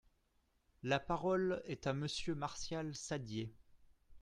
La parole est à Monsieur Martial Saddier.